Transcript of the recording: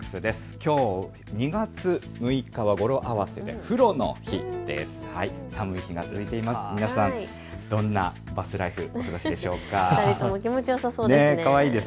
きょう２月６日は語呂合わせで風呂の日です。